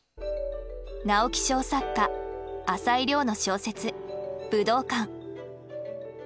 直木賞作家朝井リョウの小説「武道館」。